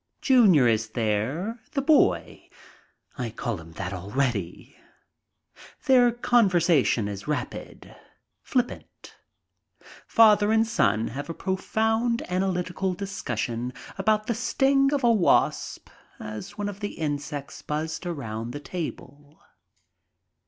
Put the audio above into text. Junior is there, the boy — I call him that already. Their conversation is rapid, flippant. Father and son have a profound analytical discussion about the sting of a wasp as one of the insects buzzed around the table.